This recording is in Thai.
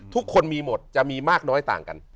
ทุกคนมีหมดจะมีมากน้อยต่างกัน